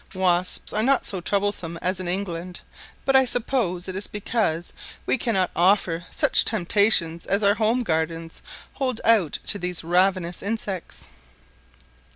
Wasps are not so troublesome as in England, but I suppose it is because we cannot offer such temptations as our home gardens hold out to these ravenous insects.